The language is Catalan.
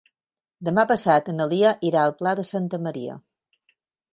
Demà passat na Lia irà al Pla de Santa Maria.